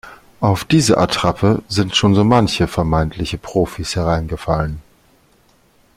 Auf diese Attrappe sind schon so manche vermeintliche Profis hereingefallen.